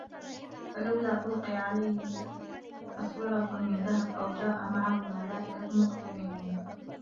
فَلَولا أُلقِيَ عَلَيهِ أَسوِرَةٌ مِن ذَهَبٍ أَو جاءَ مَعَهُ المَلائِكَةُ مُقتَرِنينَ